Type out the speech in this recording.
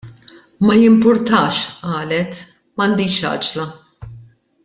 " Ma jimpurtax, " qalet " M'għandix għaġla.